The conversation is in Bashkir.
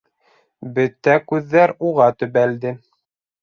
Бөтә күҙҙәр уға төбәлде.